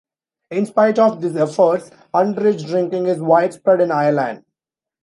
In spite of these efforts, underage drinking is widespread in Ireland.